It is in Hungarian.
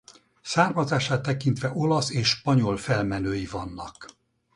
Származását tekintve olasz és spanyol felmenői vannak.